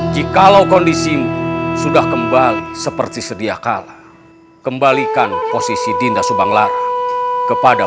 jikalau kondisi sudah kembali seperti sedia kala kembalikan posisi dinda subang lara kepada